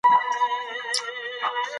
د مازديګر د اوبو نه مخکې به نايله